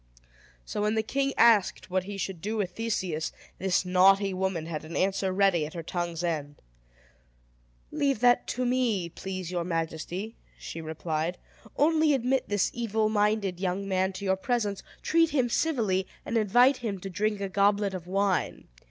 So, when the king asked what he should do with Theseus, this naughty woman had an answer ready at her tongue's end. "Leave that to me, please your majesty," she replied. "Only admit this evil minded young man to your presence, treat him civilly, and invite him to drink a goblet of wine.